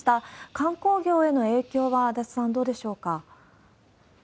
観光業への影響は、足立さん、どうでしょうか？